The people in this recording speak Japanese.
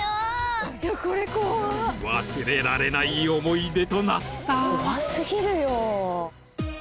［忘れられない思い出となった］